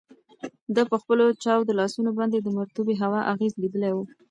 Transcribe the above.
ده په خپلو چاودو لاسونو باندې د مرطوبې هوا اغیز لیدلی و.